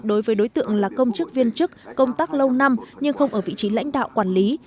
đối với đối tượng là công chức viên chức công tác lâu năm nhưng không ở vị trí lãnh đạo quản lý